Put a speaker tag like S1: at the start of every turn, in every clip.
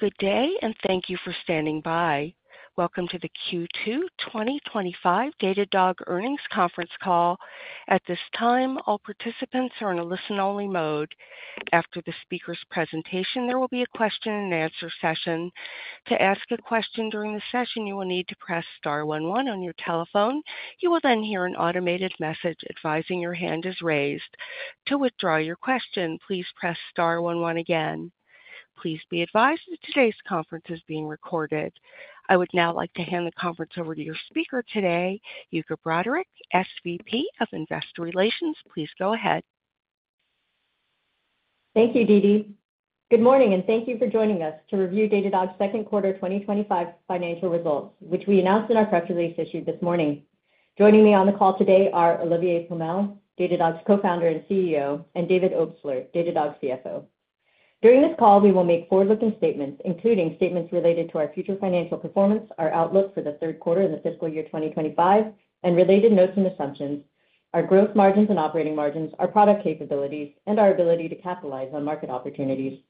S1: Good day, and thank you for standing by. Welcome to the Q2 2025 Datadog earnings conference call. At this time, all participants are in a listen-only mode. After the speaker's presentation, there will be a question-and-answer session. To ask a question during the session, you will need to press star one one on your telephone. You will then hear an automated message advising your hand is raised. To withdraw your question, please press star one one again. Please be advised that today's conference is being recorded. I would now like to hand the conference over to your speaker today, Yuka Broderick, SVP of Investor Relations. Please go ahead.
S2: Thank you, Didi. Good morning, and thank you for joining us to review Datadog's second quarter 2025 financial results, which we announced in our press release issued this morning. Joining me on the call today are Olivier Pomel, Datadog's Co-founder and CEO, and David Obstler, Datadog's CFO. During this call, we will make forward-looking statements, including statements related to our future financial performance, our outlook for the third quarter in the fiscal year 2025 and related notes and assumptions, our gross margins and operating margins, our product capabilities, and our ability to capitalize on market opportunities.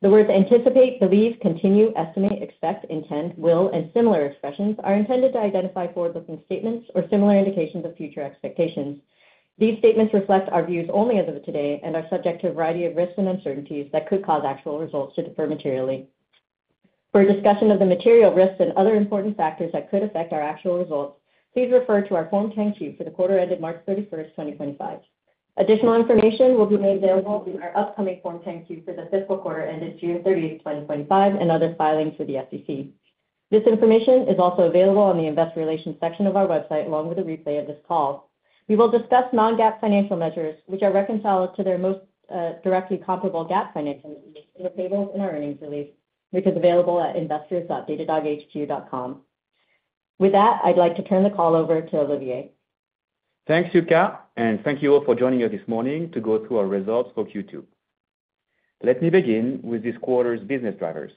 S2: The words anticipate, believe, continue, estimate, expect, intend, will and similar expressions are intended to identify forward-looking statements or similar indications of future expectations. These statements reflect our views only as of today and are subject to a variety of risks and uncertainties that could cause actual results to differ materially. For a discussion of the material risks and other important factors that could affect our actual results, please refer to our Form 10-Q for the quarter ended March 31st, 2025. Additional information will be made available in our upcoming Form 10-Q for the fiscal quarter ended June 30th, 2025, and other filings for the SEC. This information is also available on the Investor Relations section of our website, along with a replay of this call. We will discuss non-GAAP financial measures, which are reconciled to their most directly comparable GAAP financial measures in the tables in our earnings release, which is available at investors.datadoghq.com. With that, I'd like to turn the call over to Olivier.
S3: Thanks, Yuka, and thank you all for joining us this morning to go through our results for Q2. Let me begin with this quarter's business drivers.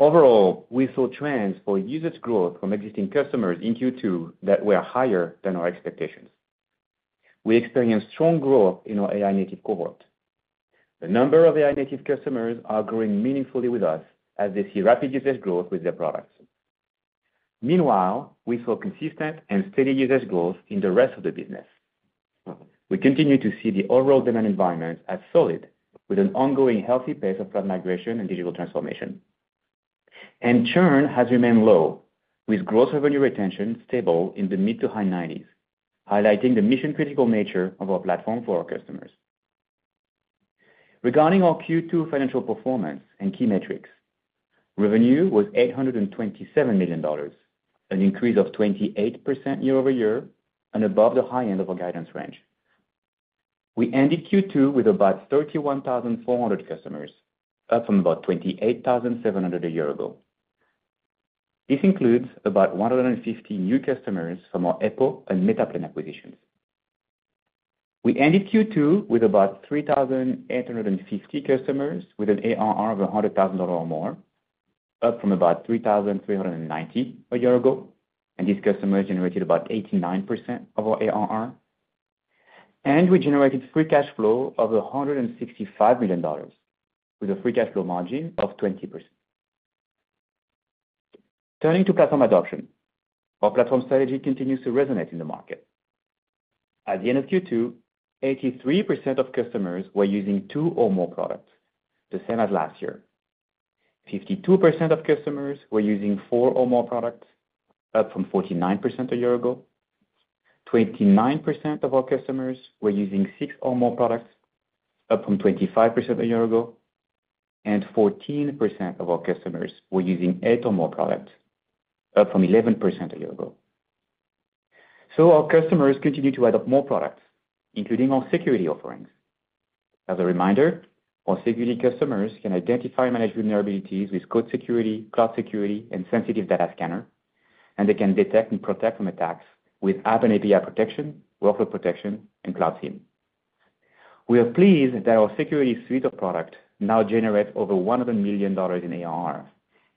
S3: Overall, we saw trends for usage growth from existing customers in Q2 that were higher than our expectations. We experienced strong growth in our AI-native customer cohort. The number of AI-native customers is growing meaningfully with us as they see rapid usage growth with their products. Meanwhile, we saw consistent and steady usage growth in the rest of the business. We continue to see the overall demand environment as solid, with an ongoing healthy pace of cloud migration and digital transformation. Churn has remained low, with gross revenue retention stable in the mid to high 90s, highlighting the mission-critical nature of our platform for our customers. Regarding our Q2 financial performance and key metrics, revenue was $827 million, an increase of 28% year-over-year, and above the high end of our guidance range. We ended Q2 with about 31,400 customers, up from about 28,700 a year ago. This includes about 150 new customers from our Eppo and Metaplane acquisition. We ended Q2 with about 3,850 customers with an ARR of $100,000 or more, up from about 3,390 a year ago, and these customers generated about 89% of our ARR. We generated free cash flow of $165 million, with a free cash flow margin of 20%. Turning to platform adoption, our platform strategy continues to resonate in the market. At the end of Q2, 83% of customers were using two or more products, the same as last year. 52% of customers were using four or more products, up from 49% a year ago. 29% of our customers were using six or more products, up from 25% a year ago. 14% of our customers were using eight or more products, up from 11% a year ago. Our customers continue to adopt more products, including our security offerings. As a reminder, our security customers can identify and manage vulnerabilities with Code Security, Cloud Security, and Sensitive Data Scanner, and they can detect and protect from attacks with App and API Protection, Workload Protection, and Cloud SIEM. We are pleased that our security suite of products now generates over $100 million in ARR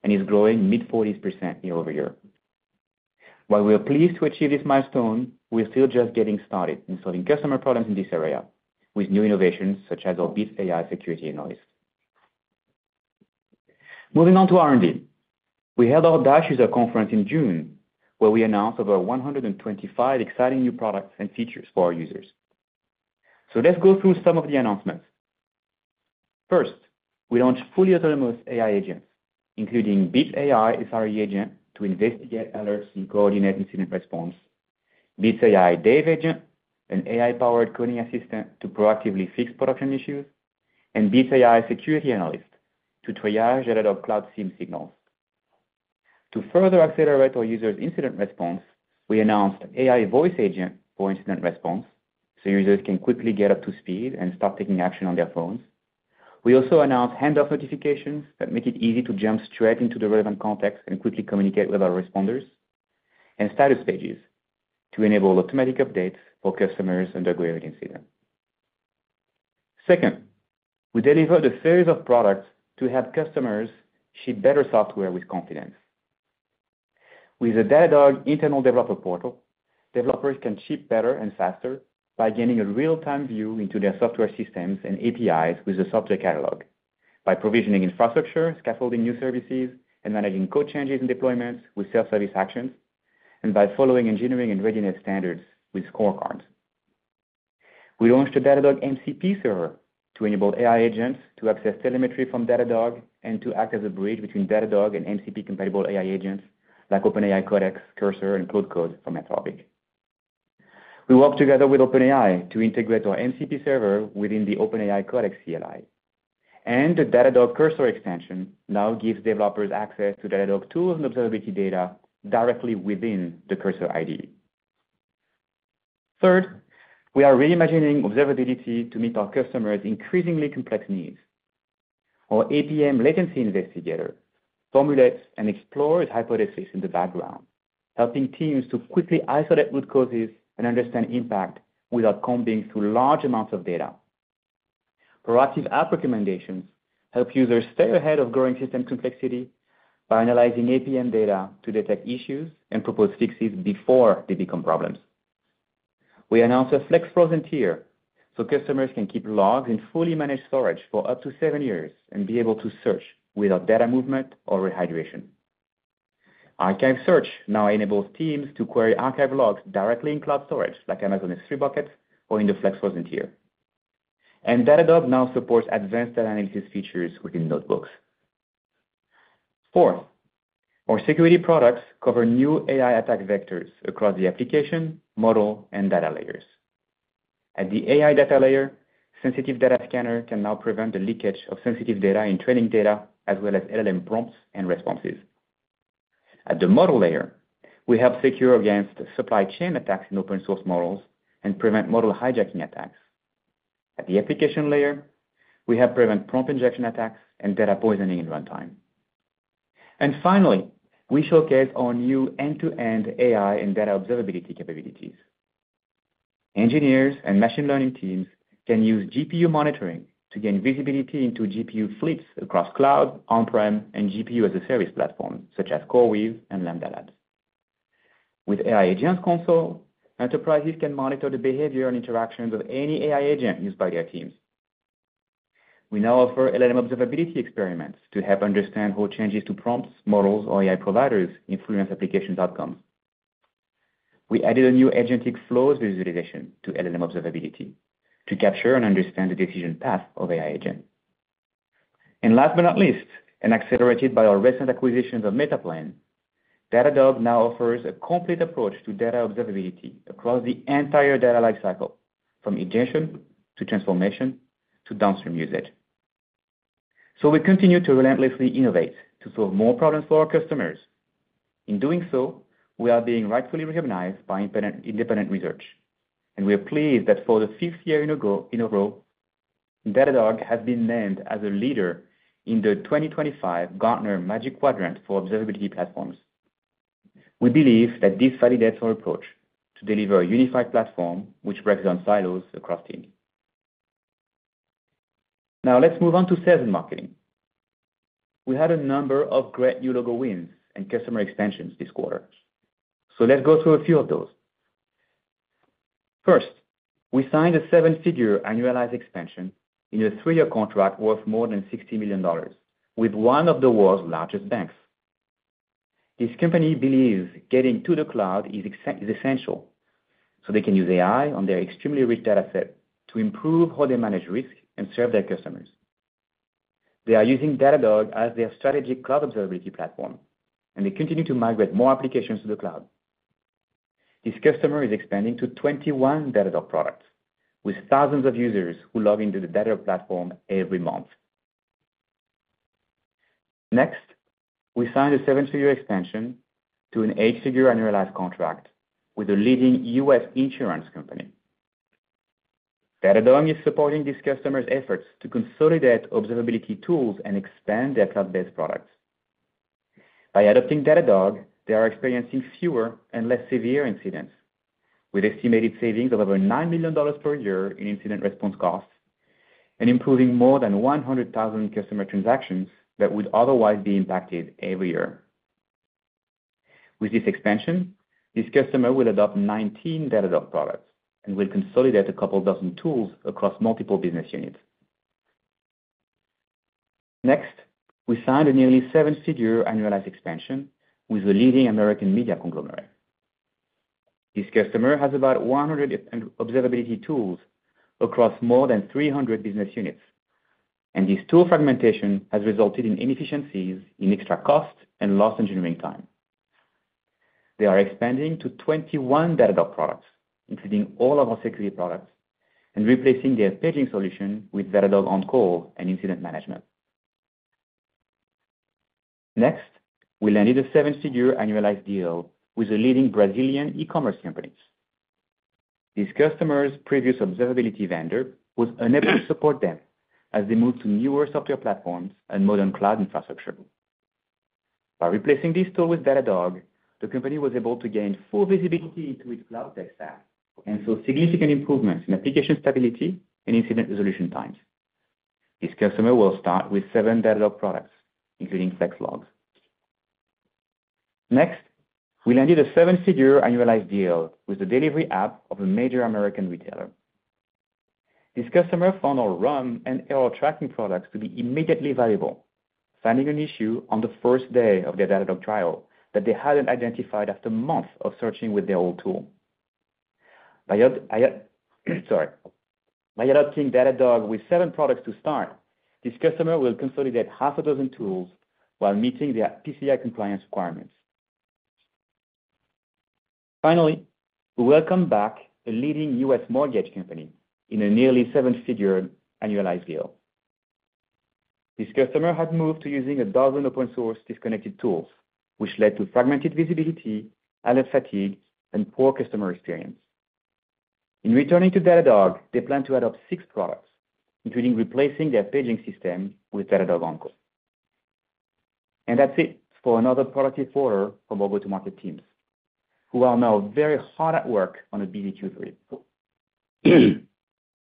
S3: and is growing mid-40s % year-over-year. While we are pleased to achieve this milestone, we're still just getting started in solving customer problems in this area with new innovations such as our Bits AI Security Analyst. Moving on to R&D, we held our DASH user conference in June, where we announced over 125 exciting new products and features for our users. Let's go through some of the announcements. First, we launched fully autonomous AI agents, including Bits AI SRE Agent to investigate alerts and coordinate incident response, Bits AI Dev Agent, an AI-powered coding assistant to proactively fix production issues, and Bits AI Security Analyst to triage and adopt Cloud SIEM signals. To further accelerate our users' incident response, we announced AI Voice Agent for incident response, so users can quickly get up to speed and start taking action on their phones. We also announced Handoff Notifications that make it easy to jump straight into the relevant context and quickly communicate with our responders, and Status Pages to enable automatic updates for customers undergoing an incident. Second, we delivered a series of products to help customers ship better software with confidence. With the Datadog Internal Developer Portal, developers can ship better and faster by gaining a real-time view into their software systems and APIs with the Software Catalog, by provisioning infrastructure, scaffolding new services, and managing code changes and deployments with Self-Service Actions, and by following engineering and readiness standards with Scorecards. We launched a Datadog MCP server to enable AI agents to access telemetry from Datadog and to act as a bridge between Datadog and MCP-compatible AI agents like OpenAI Codex, Cursor, and Claude Code from Anthropic. We worked together with OpenAI to integrate our MCP server within the OpenAI Codex CLI, and the Datadog Cursor Extension now gives developers access to Datadog tools and observability data directly within the Cursor IDE. Third, we are reimagining observability to meet our customers' increasingly complex needs. Our APM latency Investigator formulates and explores hypotheses in the background, helping teams to quickly isolate root causes and understand impact without combing through large amounts of data. Proactive App Recommendations help users stay ahead of growing system complexity by analyzing APM data to detect issues and propose fixes before they become problems. We announced a Flex Frozen tier so customers can keep logs in fully managed storage for up to seven years and be able to search without data movement or rehydration. Archive Search now enables teams to query archive logs directly in cloud storage, like Amazon S3 buckets or in the Flex Frozen tier. Datadog now supports advanced data analysis features within Notebooks. Our security products cover new AI attack vectors across the application, model, and data layers. At the AI data layer, Sensitive Data Scanner can now prevent the leakage of sensitive data in training data, as well as LLM prompts and responses. At the model layer, we help secure against Supply Chain attacks in open-source models and prevent Model Hijacking attacks. At the application layer, we help prevent Prompt Injection attacks and Data Poisoning in Runtime. We showcase our new end-to-end AI and Data Observability capabilities. Engineers and machine learning teams can use GPU monitoring to gain visibility into GPU fleets across cloud, on-prem, and GPU-as-a-service platforms, such as CoreWeave and Lambda Labs. With AI Agents Console, enterprises can monitor the behavior and interactions of any AI agent used by their teams. We now offer LLM Observability Experiments to help understand how changes to prompts, models, or AI providers influence application outcome. We added a new Agentic flows visualization to LLM Observability to capture and understand the decision path of AI agents. Last but not least, and accelerated by our recent acquisition of Metaplane, Datadog now offers a complete approach to Data Observability across the entire data lifecycle, from injection to transformation to downstream usage. We continue to relentlessly innovate to solve more problems for our customers. In doing so, we are being rightfully recognized by independent research, and we are pleased that for the fifth year in a row, Datadog has been named as a Leader in the 2025 Gartner Magic Quadrant for Observability Platforms. We believe that this validates our approach to deliver a unified platform which breaks down silos across teams. Now, let's move on to sales and marketing. We had a number of great new logo wins and customer expansions this quarter. Let's go through a few of those. First, we signed a seven-figure annualized expansion in a three-year contract worth more than $60 million, with one of the world's largest banks. This company believes getting to the cloud is essential, so they can use AI on their extremely rich dataset to improve how they manage risk and serve their customers. They are using Datadog as their strategic cloud observability platform, and they continue to migrate more applications to the cloud. This customer is expanding to 21 Datadog products, with thousands of users who log into the Datadog platform every month. Next, we signed a seven-figure expansion to an eight-figure annualized contract with a leading U.S. insurance company. Datadog is supporting this customer's efforts to consolidate observability tools and expand their cloud-based products. By adopting Datadog, they are experiencing fewer and less severe incidents, with estimated savings of over $9 million per year in incident response costs and improving more than 100,000 customer transactions that would otherwise be impacted every year. With this expansion, this customer will adopt 19 Datadog products and will consolidate a couple dozen tools across multiple business units. Next, we signed a nearly seven-figure annualized expansion with a leading American media conglomerate. This customer has about 100 observability tools across more than 300 business units, and this tool fragmentation has resulted in inefficiencies in extra costs and lost engineering time. They are expanding to 21 Datadog products, including all of our security products, and replacing their staging solution with Datadog On-Call and Incident Management. Next, we landed a seven-figure annualized deal with a leading Brazilian e-commerce company. This customer's previous observability vendor was unable to support them as they moved to newer software platforms and modern cloud infrastructure. By replacing this tool with Datadog, the company was able to gain full visibility into its cloud tech stack and saw significant improvements in application stability and incident resolution times. This customer will start with seven Datadog products, including Flex Logs. Next, we landed a seven-figure annualized deal with the delivery app of a major American retailer. This customer found our RUM and error tracking products to be immediately valuable, finding an issue on the first day of their Datadog trial that they hadn't identified after months of searching with their old tool. By adopting Datadog with seven products to start, this customer will consolidate half a dozen tools while meeting their PCI compliance requirements. Finally, we welcome back a leading U.S. mortgage company in a nearly seven-figure annualized deal. This customer had moved to using a dozen open-source disconnected tools, which led to fragmented visibility, ad hoc fatigue, and poor customer experience. In returning to Datadog, they plan to adopt six products, including replacing their paging system with Datadog On-Call. That's it for another product reporter from our go-to-market teams, who are now very hard at work on a busy Q3.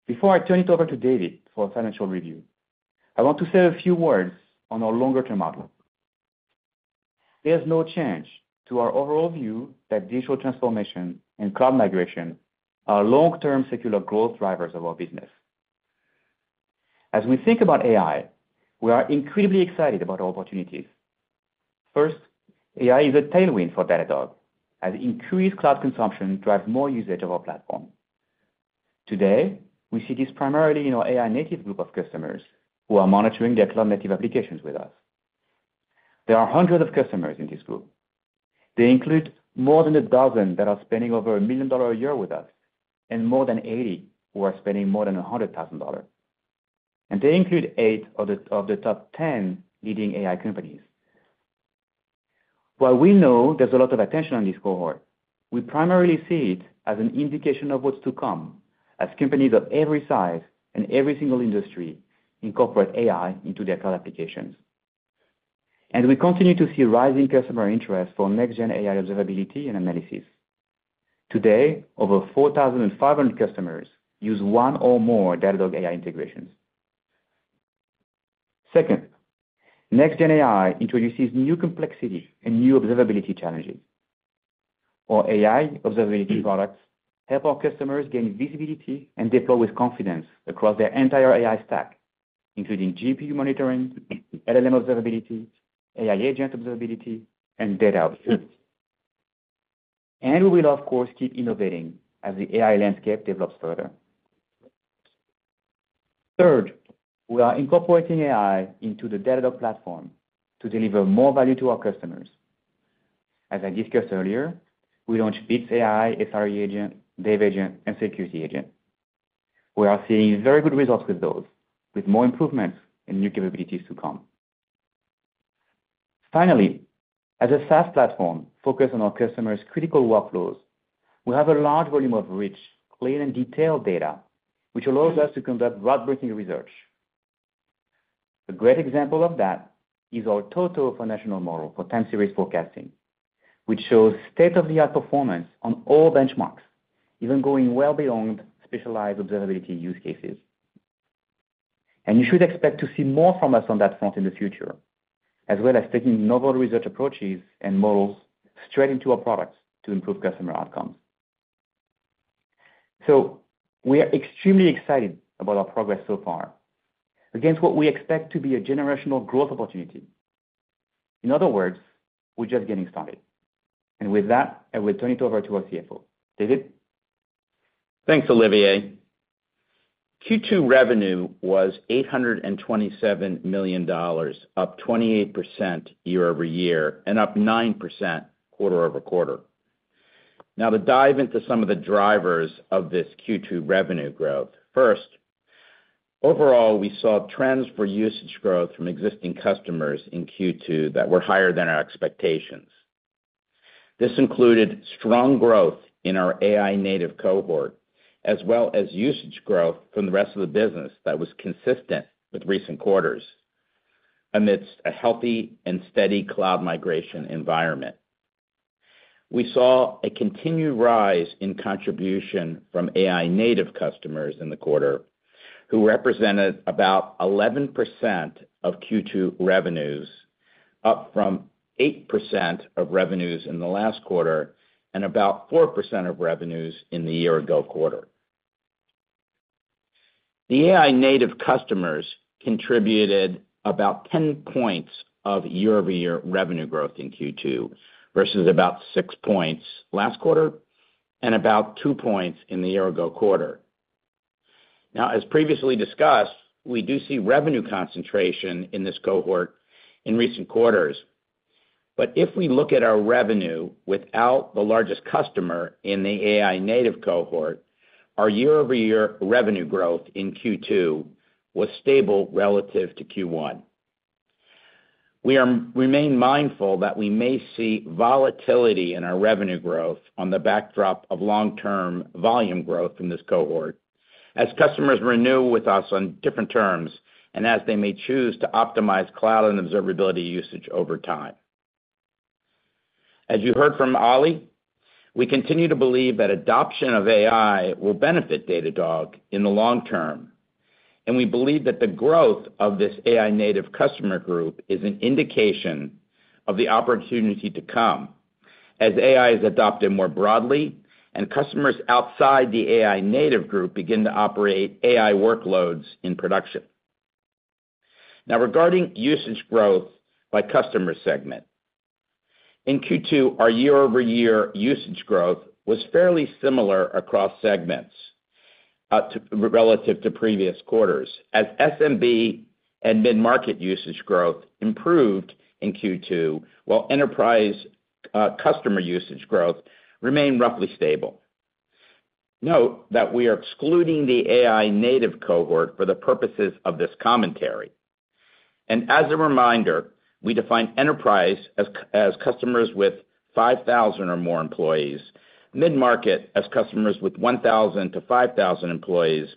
S3: Before I turn it over to David for a financial review, I want to say a few words on our longer-term outlook. There's no change to our overall view that digital transformation and cloud migration are long-term secular growth drivers of our business. As we think about AI, we are incredibly excited about our opportunities. First, AI is a tailwind for Datadog, as increased cloud consumption drives more usage of our platform. Today, we see this primarily in our AI-native customer cohort who are monitoring their cloud-native applications with us. There are hundreds of customers in this group. They include more than a dozen that are spending over $1 million a year with us, and more than 80 who are spending more than $100,000. They include eight of the top 10 leading AI companies. While we know there's a lot of attention on this cohort, we primarily see it as an indication of what's to come, as companies of every size and every single industry incorporate AI into their cloud applications. We continue to see rising customer interest for next-gen AI observability and analysis. Today, over 4,500 customers use one or more Datadog AI integrations. Second, next-gen AI introduces new complexity and new observability challenges. Our AI observability products help our customers gain visibility and deploy with confidence across their entire AI stack, including GPU Monitoring, LLM Observability, AI Agent Observability, and Data Observability. We will, of course, keep innovating as the AI landscape develops further. Third, we are incorporating AI into the Datadog platform to deliver more value to our customers. As I discussed earlier, we launched Bits AI SRE Agent, Dev Agent, and Security Agent. We are seeing very good results with those, with more improvements and new capabilities to come. Finally, as a SaaS platform focused on our customers' critical workflows, we have a large volume of rich, clean, and detailed data, which allows us to conduct groundbreaking research. A great example of that is our Toto for National Model for Time Series Forecasting, which shows state-of-the-art performance on all benchmarks, even going well beyond specialized observability use cases. You should expect to see more from us on that front in the future, as well as taking novel research approaches and models straight into our products to improve customer outcome. We are extremely excited about our progress so far against what we expect to be a generational growth opportunity. In other words, we're just getting started. With that, I will turn it over to our CFO. David?
S4: Thanks, Olivier. Q2 revenue was $827 million, up 28% year-over-year, and up 9% quarter-over-quarter. Now, to dive into some of the drivers of this Q2 revenue growth. First, overall, we saw trends for usage growth from existing customers in Q2 that were higher than our expectations. This included strong growth in our AI-native cohort, as well as usage growth from the rest of the business that was consistent with recent quarters amidst a healthy and steady cloud migration environment. We saw a continued rise in contribution from AI-native customers in the quarter, who represented about 11% of Q2 revenues, up from 8% of revenues in the last quarter and about 4% of revenues in the year-ago quarter. The AI-native customers contributed about 10 points of year-over-year revenue growth in Q2 versus about six points last quarter and about two points in the year-ago quarter. As previously discussed, we do see revenue concentration in this cohort in recent quarters. If we look at our revenue without the largest customer in the AI-native cohort, our year-over-year revenue growth in Q2 was stable relative to Q1. We remain mindful that we may see volatility in our revenue growth on the backdrop of long-term volume growth in this cohort, as customers renew with us on different terms and as they may choose to optimize cloud and observability usage over time. As you heard from Oli, we continue to believe that adoption of AI will benefit Datadog in the long term. We believe that the growth of this AI-native customer group is an indication of the opportunity to come, as AI is adopted more broadly and customers outside the AI-native group begin to operate AI workloads in production. Now, regarding usage growth by customer segment, in Q2, our year-over-year usage growth was fairly similar across segments relative to previous quarters, as SMB and mid-market usage growth improved in Q2, while enterprise customer usage growth remained roughly stable. Note that we are excluding the AI-native cohort for the purposes of this commentary. As a reminder, we define enterprise as customers with 5,000 or more employees, mid-market as customers with 1,000-5,000 employees,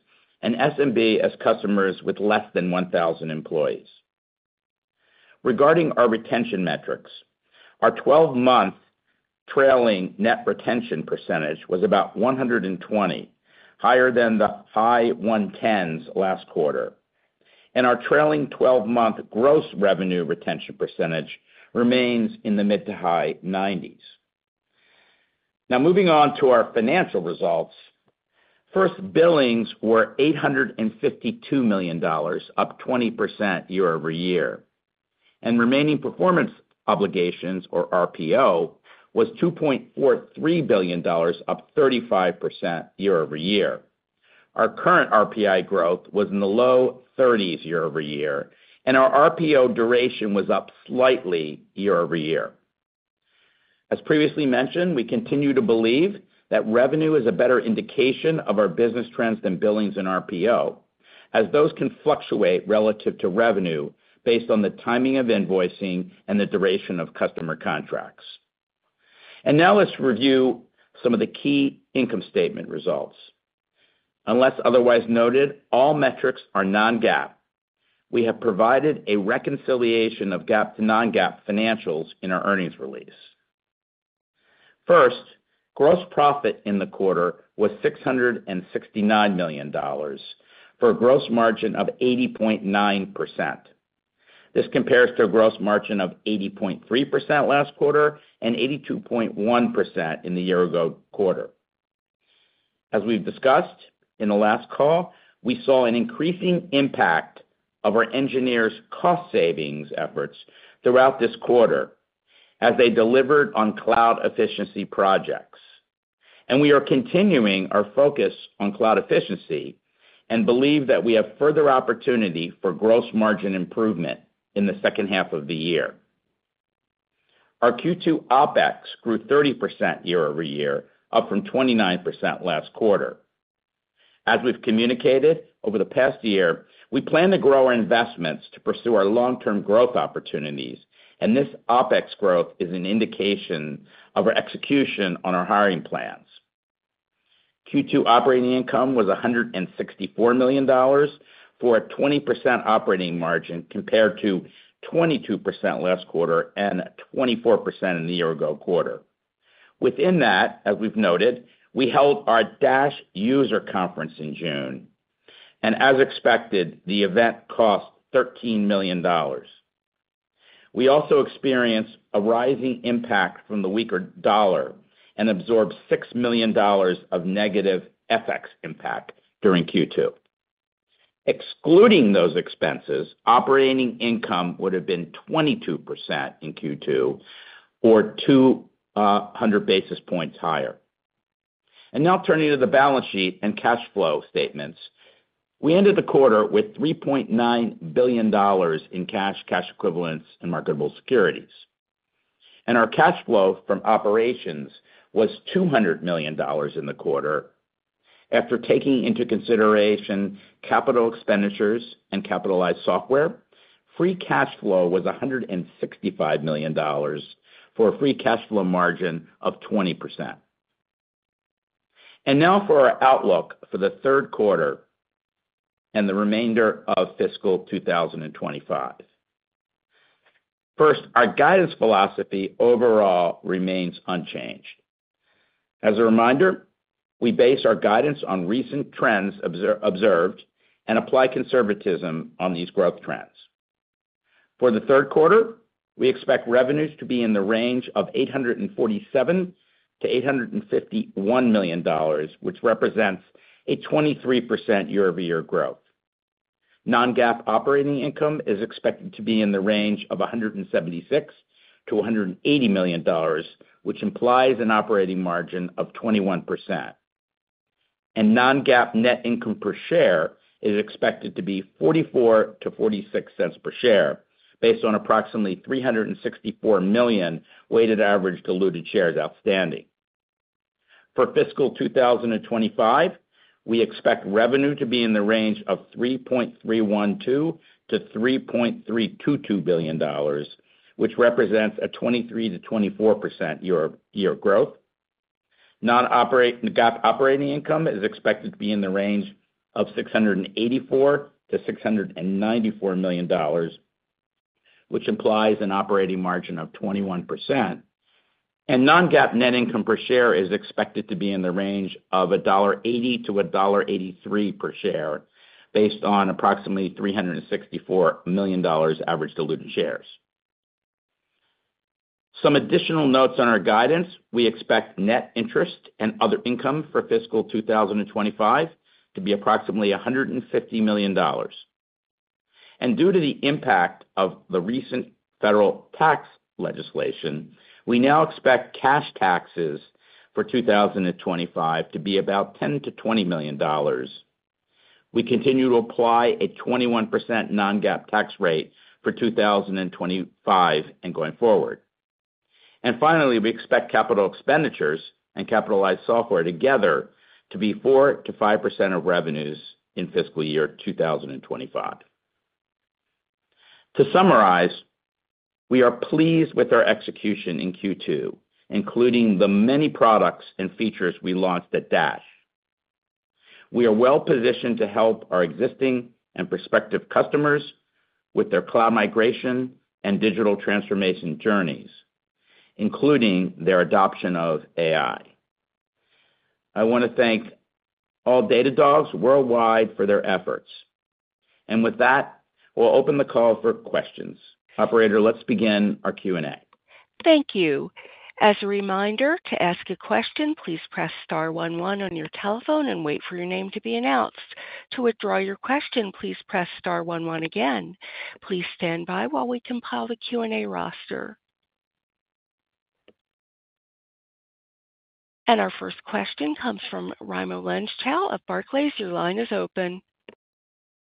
S4: and SMB as customers with less than 1,000 employees. Regarding our retention metrics, our 12-month trailing net retention percentage was about 120%, higher than the high 110% last quarter. Our trailing 12-month gross revenue retention percentage remains in the mid to high 90%. Now, moving on to our financial results. First, billings were $852 million, up 20% year-over-year. Remaining performance obligations, or RPO, was $2.43 billion, up 35% year-over-year. Our current RPO growth was in the low 30% year-ove- year, and our RPO duration was up slightly year-over-year. As previously mentioned, we continue to believe that revenue is a better indication of our business trends than billings and RPO, as those can fluctuate relative to revenue based on the timing of invoicing and the duration of customer contracts. Now, let's review some of the key income statement results. Unless otherwise noted, all metrics are non-GAAP. We have provided a reconciliation of GAAP to non-GAAP financials in our earnings release. First, gross profit in the quarter was $669 million for a gross margin of 80.9%. This compares to a gross margin of 80.3% last quarter and 82.1% in the year-ago quarter. As we've discussed in the last call, we saw an increasing impact of our engineers' cost savings efforts throughout this quarter as they delivered on cloud efficiency projects. We are continuing our focus on cloud efficiency and believe that we have further opportunity for gross margin improvement in the second half of the year. Our Q2 OpEx grew 30% year-over-year, up from 29% last quarter. As we've communicated over the past year, we plan to grow our investments to pursue our long-term growth opportunities, and this OpEx growth is an indication of our execution on our hiring plans. Q2 operating income was $164 million for a 20% operating margin compared to 22% last quarter and 24% in the year-ago quarter. Within that, as we've noted, we held our DASH User Conference in June. As expected, the event cost $13 million. We also experienced a rising impact from the weaker dollar and absorbed $6 million of negative FX impact during Q2. Excluding those expenses, operating income would have been 22% in Q2 or 200 basis points higher. Now, turning to the balance sheet and cash flow statements, we ended the quarter with $3.9 billion in cash, cash equivalents, and marketable securities. Our cash flow from operations was $200 million in the quarter. After taking into consideration capital expenditures and capitalized software, free cash flow was $165 million for a free cash flow margin of 20%. Now for our outlook for the third quarter and the remainder of fiscal 2025. First, our guidance philosophy overall remains unchanged. As a reminder, we base our guidance on recent trends observed and apply conservatism on these growth trends. For the third quarter, we expect revenues to be in the range of $847 million-$851 million, which represents a 23% year-over-year growth. Non-GAAP operating income is expected to be in the range of $176 million-$180 million, which implies an operating margin of 21%. Non-GAAP net income per share is expected to be $0.44-$0.46 per share, based on approximately 364 million weighted average diluted shares outstanding. For fiscal 2025, we expect revenue to be in the range of $3.312 billion-$3.322 billion, which represents a 23%-24% year-over-year growth. Non-GAAP operating income is expected to be in the range of $684 million-$694 million, which implies an operating margin of 21%. Non-GAAP net income per share is expected to be in the range of $1.80-$1.83 per share, based on approximately 364 million average diluted shares. Some additional notes on our guidance: we expect net interest and other income for fiscal 2025 to be approximately $150 million. Due to the impact of the recent federal tax legislation, we now expect cash taxes for 2025 to be about $10 million-$20 million. We continue to apply a 21% non-GAAP tax rate for 2025 and going forward. Finally, we expect capital expenditures and capitalized software together to be 4%-5% of revenues in fiscal year 2025. To summarize, we are pleased with our execution in Q2, including the many products and features we launched at DASH. We are well positioned to help our existing and prospective customers with their cloud migration and digital transformation journeys, including their adoption of AI. I want to thank all Datadogs worldwide for their efforts. With that, we'll open the call for questions. Operator, let's begin our Q&A.
S1: Thank you. As a reminder, to ask a question, please press star one one on your telephone and wait for your name to be announced. To withdraw your question, please press star one one again. Please stand by while we compile the Q&A roster. Our first question comes from Raimo Lenschow of Barclays. Your line is open.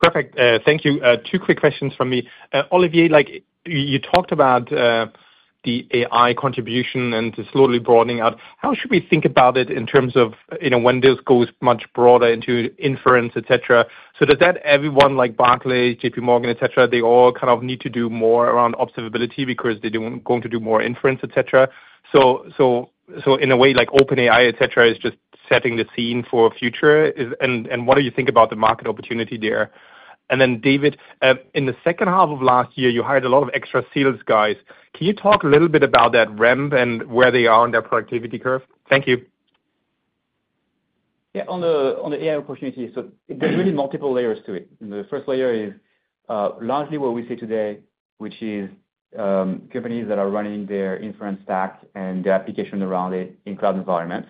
S5: Perfect. Thank you. Two quick questions from me. Olivier, like you talked about the AI contribution and slowly broadening out, how should we think about it in terms of when this goes much broader into inference, et cetera, so that everyone like Barclays, JPMorgan, et cetera, they all kind of need to do more around observability because they're going to do more inference, et cetera. In a way, like OpenAI, et cetera, is just setting the scene for a future. What do you think about the market opportunity there? Then, David, in the second half of last year, you hired a lot of extra sales guys. Can you talk a little bit about that ramp and where they are on their productivity curve? Thank you.
S3: Yeah, on the AI opportunity, there's really multiple layers to it. The first layer is largely what we see today, which is companies that are running their inference stack and their application around it in cloud environments.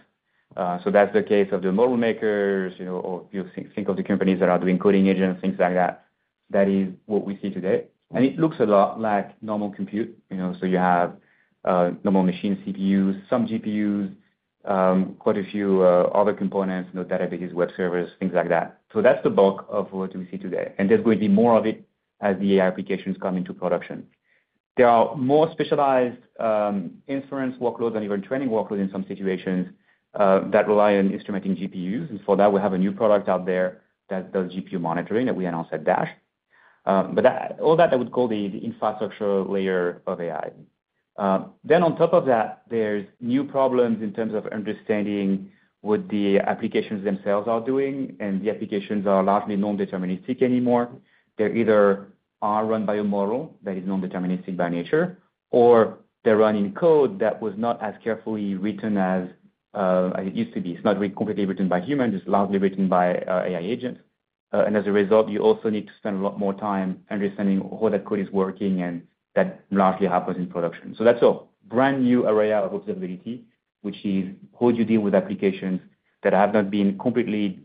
S3: That's the case of the model makers. You think of the companies that are doing coding agents, things like that. That is what we see today, and it looks a lot like normal compute. You have normal machine CPUs, some GPUs, quite a few other components, databases, web servers, things like that. That's the bulk of what we see today, and there's going to be more of it as the AI applications come into production. There are more specialized inference workloads and even training workloads in some situations that rely on instrumenting GPUs. For that, we have a new product out there that does GPU monitoring that we announced at the DASH. All that, I would call the infrastructure layer of AI. On top of that, there's new problems in terms of understanding what the applications themselves are doing. The applications are largely non-deterministic anymore. They either are run by a model that is non-deterministic by nature, or they're running code that was not as carefully written as it used to be. It's not completely written by humans, it's largely written by AI agents. As a result, you also need to spend a lot more time understanding how that code is working, and that largely happens in production. That's a brand new area of observability, which is how you deal with applications that have not been completely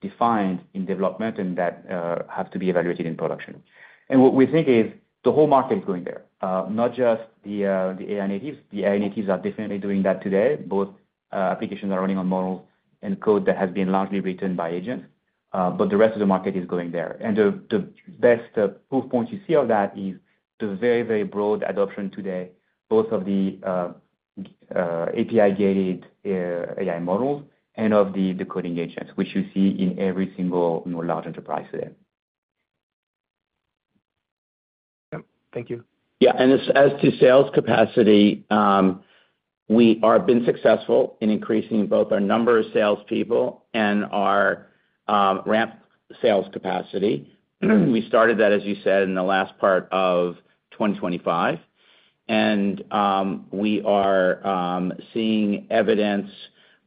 S3: defined in development and that have to be evaluated in production. We think the whole market is going there, not just the AI-native customer cohort. The AI-native customer cohort is definitely doing that today. Both applications are running on models and code that has been largely written by agents, but the rest of the market is going there. The best proof points you see of that is the very, very broad adoption today, both of the API-guided AI models and of the coding agents, which you see in every single large enterprise today.
S5: Thank you.
S4: Yeah, as to sales capacity, we have been successful in increasing both our number of salespeople and our ramp sales capacity. We started that, as you said, in the last part of 2025. We are seeing evidence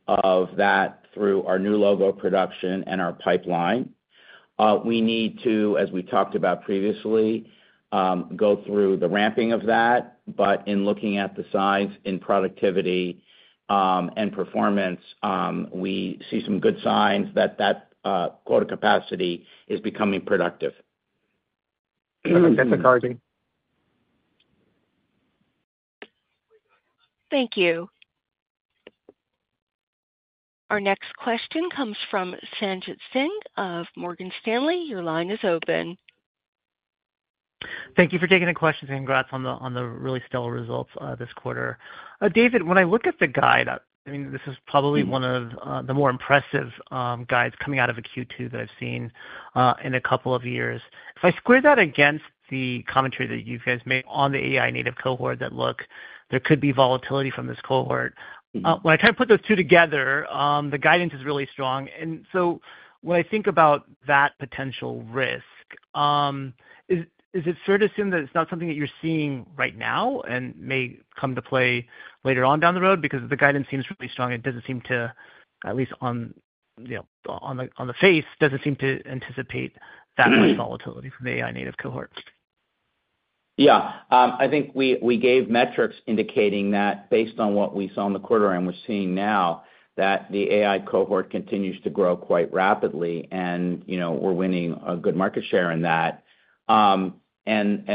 S4: of that through our new logo production and our pipeline. We need to, as we talked about previously, go through the ramping of that. In looking at the size, productivity, and performance, we see some good signs that that quota capacity is becoming productive.
S5: That's encouraging.
S1: Thank you. Our next question comes from Sanjit Singh of Morgan Stanley. Your line is open.
S6: Thank you for taking the questions. Congrats on the really stellar results this quarter. David, when I look at the guide, I mean, this is probably one of the more impressive guides coming out of a Q2 that I've seen in a couple of years. If I square that against the commentary that you guys made on the AI-native cohort that, look, there could be volatility from this cohort. When I kind of put those two together, the guidance is really strong. When I think about that potential risk, is it fair to assume that it's not something that you're seeing right now and may come to play later on down the road? The guidance seems really strong. It doesn't seem to, at least on the face, doesn't seem to anticipate that risk volatility from the AI-native cohorts.
S4: Yeah, I think we gave metrics indicating that based on what we saw in the quarter and we're seeing now that the AI cohort continues to grow quite rapidly and we're winning a good market share in that. How we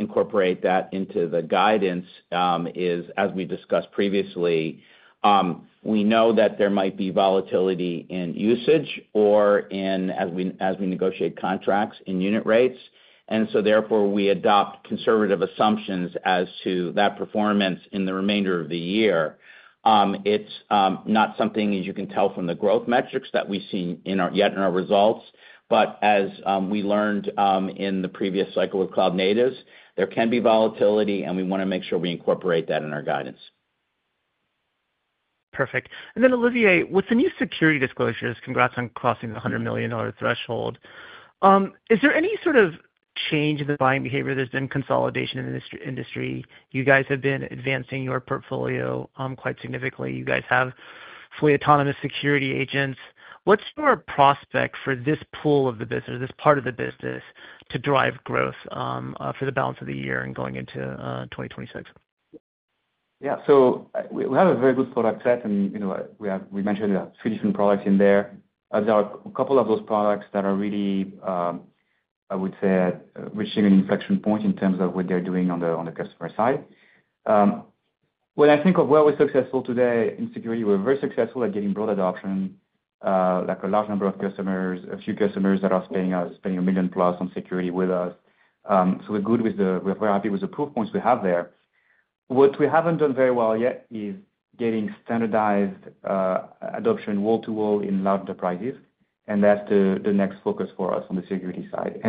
S4: incorporate that into the guidance is, as we discussed previously, we know that there might be volatility in usage or, as we negotiate contracts, in unit rates. Therefore, we adopt conservative assumptions as to that performance in the remainder of the year. It's not something, as you can tell from the growth metrics, that we see yet in our results. As we learned in the previous cycle with cloud natives, there can be volatility and we want to make sure we incorporate that in our guidance.
S6: Perfect. Olivier, with the new security disclosures, congrats on crossing the $100 million threshold. Is there any sort of change in the buying behavior? There's been consolidation in the industry. You guys have been advancing your portfolio quite significantly. You guys have fully autonomous security agents. What's your prospect for this pool of the business, or this part of the business, to drive growth for the balance of the year and going into 2026?
S3: Yeah, so we have a very good product set. We mentioned a Swedish product in there. There are a couple of those products that are really, I would say, reaching an inflection point in terms of what they're doing on the customer side. When I think of where we're successful today in security, we're very successful at getting broad adoption, like a large number of customers, a few customers that are spending $1 million+ on security with us. We're very happy with the proof points we have there. What we haven't done very well yet is getting standardized adoption wall to wall in large enterprises. That's the next focus for us on the security side.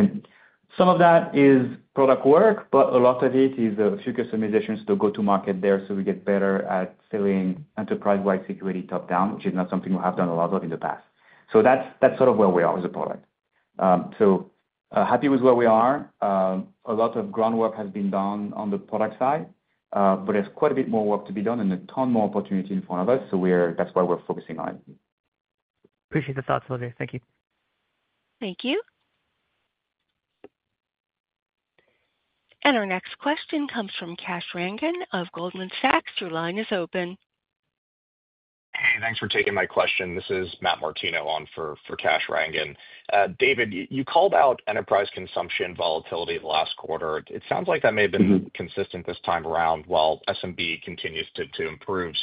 S3: Some of that is product work, but a lot of it is a few customizations to go to market there. We get better at selling enterprise-wide security top down, which is not something we have done a lot of in the past. That's sort of where we are as a product. Happy with where we are. A lot of groundwork has been done on the product side, but there's quite a bit more work to be done and a ton more opportunity in front of us. That's why we're focusing on it.
S6: Appreciate the thoughts, Olivier. Thank you.
S1: Thank you. Our next question comes from Kash Rangan of Goldman Sachs. Your line is open.
S7: Hey, thanks for taking my question. This is Matt Martino on for Kash Rangan. David, you called out enterprise consumption volatility in the last quarter. It sounds like that may have been consistent this time around while SMB continues to improve.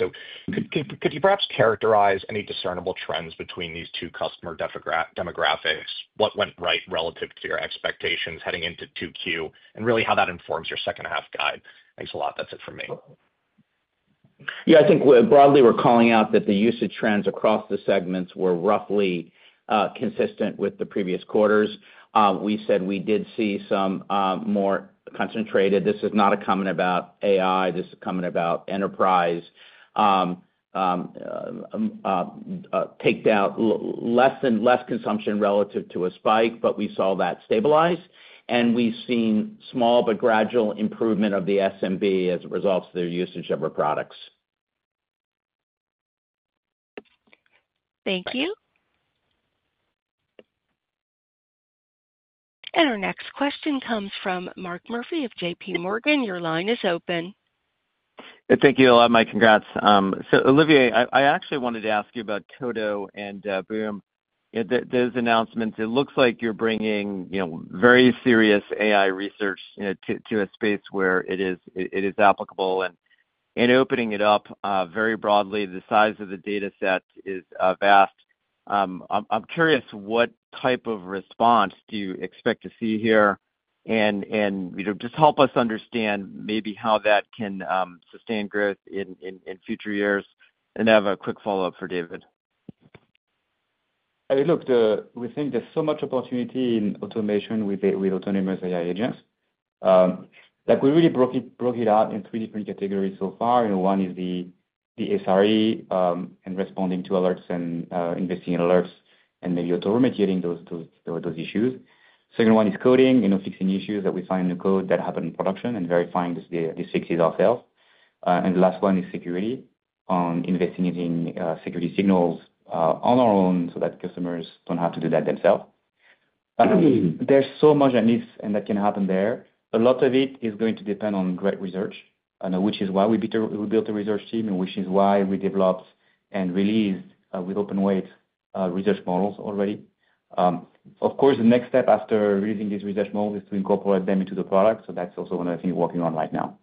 S7: Could you perhaps characterize any discernible trends between these two customer demographics? What went right relative to your expectations heading into Q2 and really how that informs your second-half guide? Thanks a lot. That's it for me.
S4: Yeah, I think broadly we're calling out that the usage trends across the segments were roughly consistent with the previous quarters. We said we did see some more concentrated. This is not a comment about AI. This is a comment about enterprise. Take that less consumption relative to a spike, but we saw that stabilize. We've seen small but gradual improvement of the SMB as a result of their usage of our products.
S1: Thank you. Our next question comes from Mark Murphy of JPMorgan. Your line is open.
S8: Thank you, Lamai. Congrats. Olivier, I actually wanted to ask you about TOTO and Boom. Those announcements, it looks like you're bringing very serious AI research to a space where it is applicable and opening it up very broadly. The size of the data set is vast. I'm curious, what type of response do you expect to see here? Just help us understand maybe how that can sustain growth in future years and have a quick follow-up for David.
S3: I mean, look, we think there's so much opportunity in automation with autonomous AI agents. We really broke it up in three different categories so far. One is the SRE and responding to alerts and investing in alerts and maybe auto-remediating those issues. The second one is coding, fixing issues that we find in the code that happen in production and verifying the safety ourselves. The last one is security on investing in security signals on our own so that customers don't have to do that themselves. There's so much at least that can happen there. A lot of it is going to depend on great research, which is why we built a research team and which is why we developed and released with open weight research models already. The next step after releasing these research models is to incorporate them into the product. That's also one of the things we're working on right now.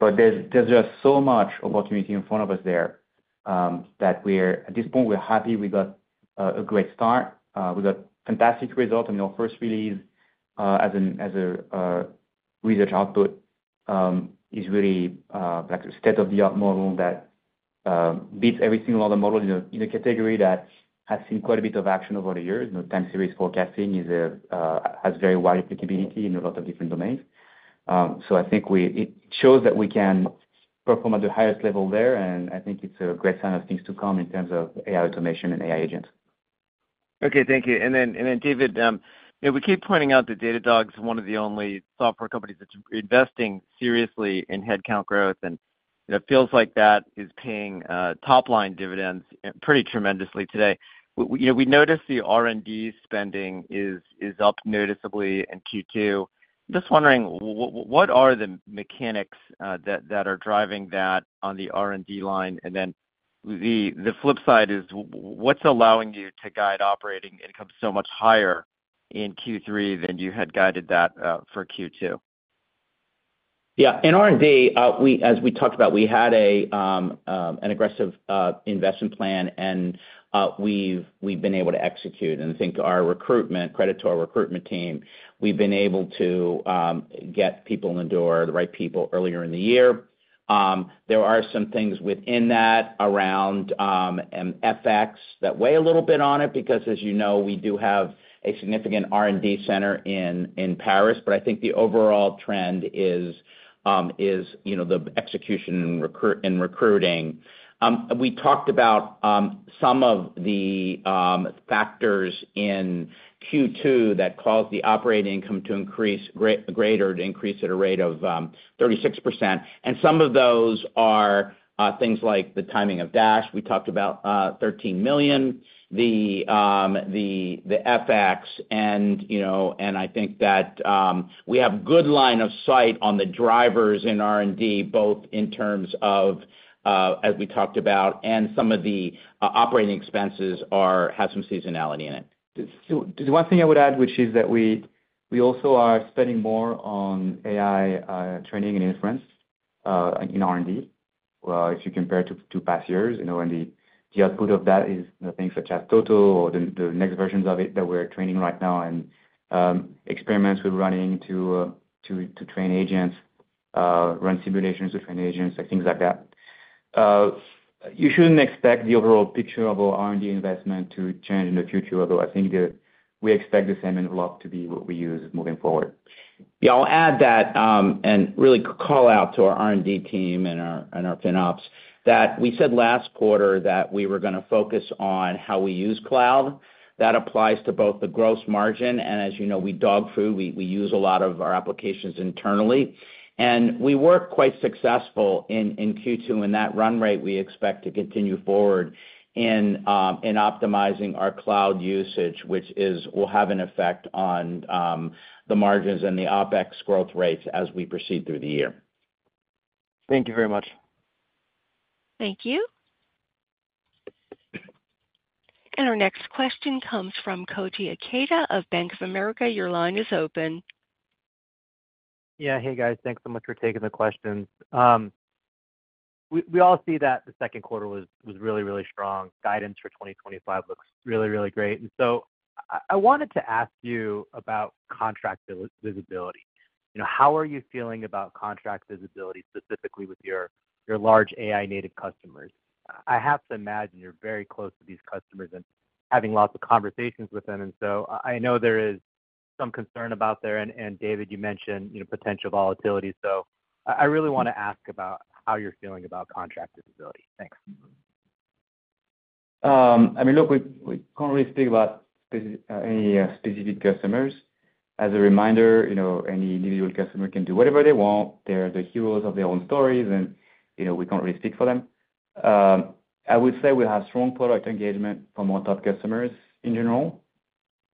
S3: There's just so much opportunity in front of us there that we're, at this point, we're happy. We got a great start. We got a fantastic result in our first release as a research output. It's really a state-of-the-art model that beats every single other model in the category that has seen quite a bit of action over the years. Time series forecasting has very wide applicability in a lot of different domains. I think it shows that we can perform at the highest level there. I think it's a great sign of things to come in terms of AI automation and AI agents.
S8: Okay, thank you. David, we keep pointing out that Datadog is one of the only software companies that's investing seriously in headcount growth. It feels like that is paying top-line dividends pretty tremendously today. We noticed the R&D spending is up noticeably in Q2. Just wondering, what are the mechanics that are driving that on the R&D line? The flip side is, what's allowing you to guide operating income so much higher in Q3 than you had guided that for Q2?
S4: Yeah, in R&D, as we talked about, we had an aggressive investment plan and we've been able to execute. I think our recruitment, credit to our recruitment team, we've been able to get people in the door, the right people earlier in the year. There are some things within that around FX that weigh a little bit on it because, as you know, we do have a significant R&D center in Paris. I think the overall trend is the execution in recruiting. We talked about some of the factors in Q2 that caused the operating income to increase at a rate of 36%. Some of those are things like the timing of DASH. We talked about $13 million, the FX. I think that we have a good line of sight on the drivers in R&D, both in terms of, as we talked about, and some of the operating expenses have some seasonality in it.
S3: The one thing I would add, which is that we also are spending more on AI training and inference in R&D. If you compare it to past years, you know, and the output of that is things such as Toto or the next versions of it that we're training right now and experiments we're running to train agents, run simulations to train agents, and things like that. You shouldn't expect the overall picture of our R&D investment to change in the future, although I think we expect the same envelope to be what we use moving forward.
S4: Yeah, I'll add that and really call out to our R&D team and our FinOps that we said last quarter that we were going to focus on how we use cloud. That applies to both the gross margin and, as you know, we dog food. We use a lot of our applications internally. We were quite successful in Q2, and that run rate we expect to continue forward in optimizing our cloud usage, which will have an effect on the margins and the OpEx growth rates as we proceed through the year.
S8: Thank you very much.
S1: Thank you. Our next question comes from Koji Ikeda of Bank of America. Your line is open.
S9: Yeah, hey guys, thanks so much for taking the questions. We all see that the second quarter was really, really strong. Guidance for 2025 looks really, really great. I wanted to ask you about contract visibility. How are you feeling about contract visibility specifically with your large AI-native customers? I have to imagine you're very close to these customers and having lots of conversations with them. I know there is some concern about that. David, you mentioned potential volatility. I really want to ask about how you're feeling about contract visibility. Thanks.
S3: I mean, look, we can't really speak about any specific customers. As a reminder, you know, any individual customer can do whatever they want. They're the heroes of their own stories, and you know, we can't really speak for them. I would say we have strong product engagement from our top customers in general.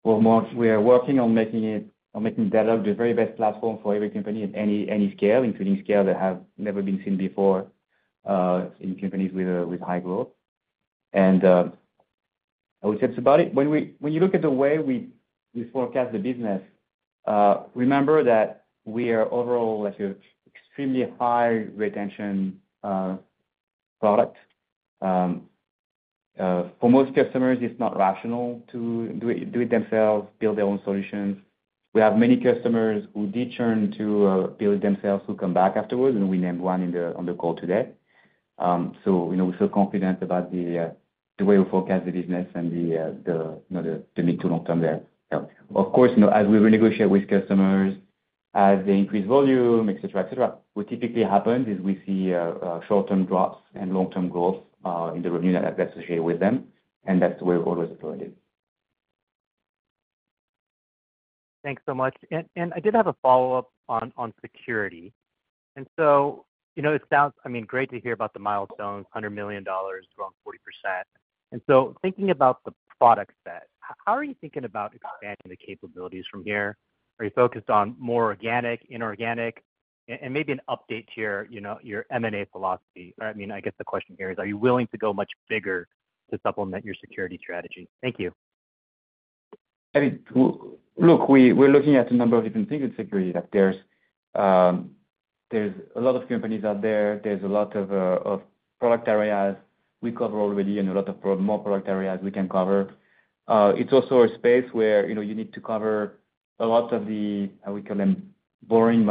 S3: We're working on making Datadog the very best platform for every company at any scale, including scale that has never been seen before in companies with high growth. I would say that's about it. When you look at the way we forecast the business, remember that we are overall at an extremely high retention product. For most customers, it's not rational to do it themselves, build their own solutions. We have many customers who did turn to build it themselves who come back afterwards, and we named one on the call today. We feel confident about the way we forecast the business and the mid to long term there. Of course, as we renegotiate with customers, as they increase volume, what typically happens is we see short-term drops and long-term growth in the revenue that's associated with them. That's the way we've always implemented.
S9: Thank you so much. I did have a follow-up on security. It sounds great to hear about the milestones, $100 million growing 40%. Thinking about the product set, how are you thinking about expanding the capabilities from here? Are you focused on more organic, inorganic, and maybe an update to your M&A philosophy? I guess the question here is, are you willing to go much bigger to supplement your security strategy? Thank you.
S3: I mean, look, we're looking at a number of different things with security. There's a lot of companies out there. There's a lot of product areas we cover already, and a lot more product areas we can cover. It's also a space where you need to cover a lot of the, we call them, boring